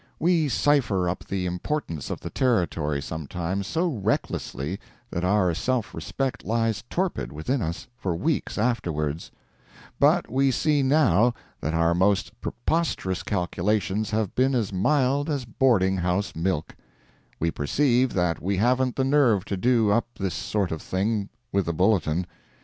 We cypher up the importance of the Territory sometimes so recklessly that our self respect lies torpid within us for weeks afterwards—but we see now that our most preposterous calculations have been as mild as boardinghouse milk; we perceive that we haven't the nerve to do up this sort of thing with the Bulletin.